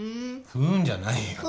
ふんじゃないよ。